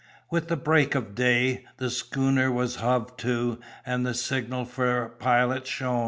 With the break of day, the schooner was hove to, and the signal for a pilot shown.